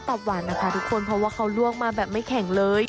เพราะว่าเขาร่วงมาแบบไม่แข็งเลย